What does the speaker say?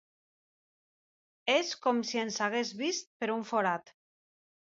És com si ens hagués vist per un forat.